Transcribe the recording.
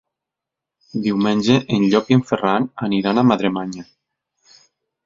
Diumenge en Llop i en Ferran aniran a Madremanya.